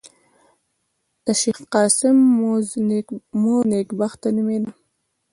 د شېخ قاسم مور نېکبخته نومېده.